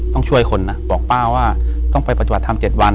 ต้องช่วยคนนะบอกป้าว่าต้องไปปฏิบัติธรรม๗วัน